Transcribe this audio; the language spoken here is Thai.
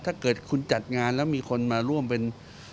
ถ้าเกิดคุณจัดงานแล้วมีคนมาร่วมเป็น